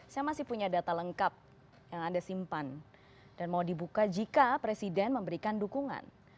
saya masih punya data lengkap yang anda simpan dan mau dibuka jika presiden memberikan dukungan